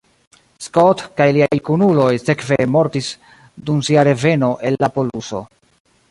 Scott kaj liaj kunuloj sekve mortis dum sia reveno el la poluso.